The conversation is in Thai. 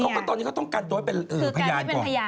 เขาก็ตอนนี้ก็ต้องการตัวเป็นพยานก่อน